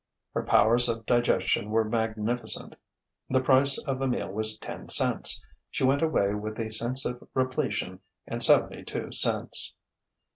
Her powers of digestion were magnificent. The price of the meal was ten cents. She went away with a sense of repletion and seventy two cents.